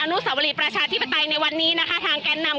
นุสาวรีประชาธิปไตยในวันนี้นะคะทางแกนนำ